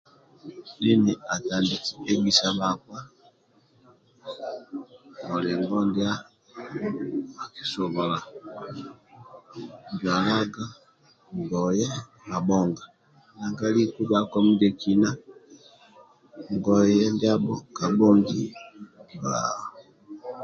Dini atandiki egisa bhakpa mulingo ndia sobola zwalaga ngoye mabhonga nanga aliku bhakpa ndibhekina ngoye ndiabho kabhongi bba